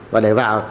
và để vào